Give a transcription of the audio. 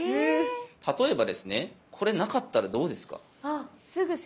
例えばですねこれなかったらどうですか？